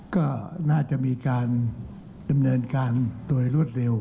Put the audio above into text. ก็น่าจะมีการดำเนินการโดยรวดเร็ว